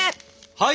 はい！